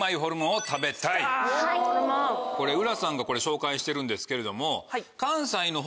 これうらさんが紹介してるんですけれども。